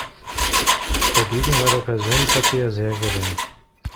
Dagegen war der Personenverkehr sehr gering.